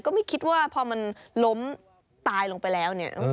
ก็ไม่คิดว่าพอมันล้มตายลงไปแล้วเนี่ย